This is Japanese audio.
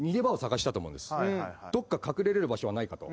どっか隠れれる場所はないかと。